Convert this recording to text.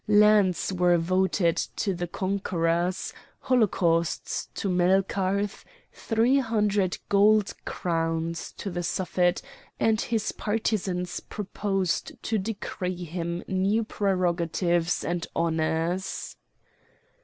Lands were voted to the conquerors, holocausts to Melkarth, three hundred gold crowns to the Suffet, and his partisans proposed to decree to him new prerogatives and honours.